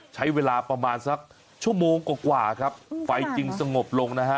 ใช้เวลาประมาณสักชั่วโมงกว่ากว่าครับไฟจึงสงบลงนะฮะ